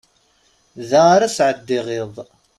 Da ara sɛeddiɣ iḍ.